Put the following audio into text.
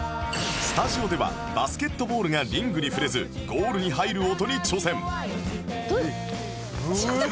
スタジオではバスケットボールがリングに触れずゴールに入る音に挑戦うう！